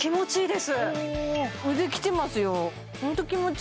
腕きてますよ